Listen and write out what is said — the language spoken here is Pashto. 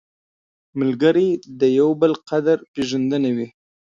ملګری د یو بل قدر پېژندنه وي